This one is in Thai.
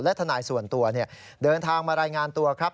และทนายส่วนตัวเดินทางมารายงานตัวครับ